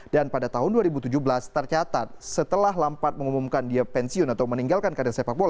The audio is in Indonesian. dan pada tahun dua ribu tujuh belas tercatat setelah lampard mengumumkan dia pensiun atau meninggalkan karir sepak bola